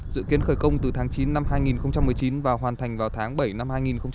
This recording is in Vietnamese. dự kiến khởi công từ tháng chín năm hai nghìn một mươi chín và hoàn thành vào tháng bảy năm hai nghìn hai mươi